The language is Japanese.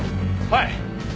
はい！